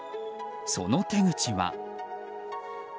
その手口は。